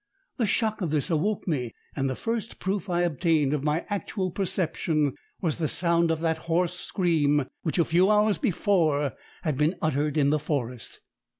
The shock of this awoke me, and the first proof I obtained of my actual perception was the sound of that hoarse scream which a few hours before had been uttered in the forest.